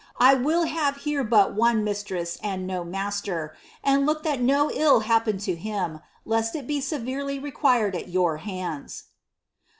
I will hare iiere but one mistress and no master, and look that no ill happen 10 him, lest it be severely required at your hands."